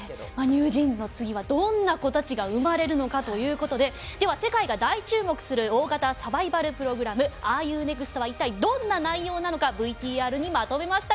ＮｅｗＪｅａｎｓの次はどんな子たちが生まれるのかという事ででは世界が大注目する大型サバイバルプログラム『ＲＵＮｅｘｔ？』は一体どんな内容なのかＶＴＲにまとめました。